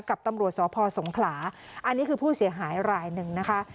กับตำรวจสพสงขลาอันนี้คือผู้เสียหายรายหนึ่งนะคะ